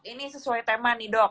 ini sesuai tema nih dok